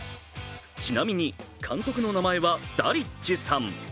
ちなみに監督の名前はダリッチさん。